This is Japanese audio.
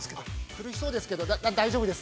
◆苦しそうですけど、大丈夫です。